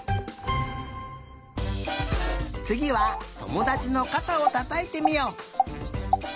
つぎはともだちのかたをたたいてみよう。